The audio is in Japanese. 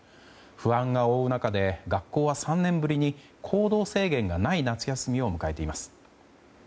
不安が追う中で学校は３年ぶりに行動制限がない夏休みを迎えています。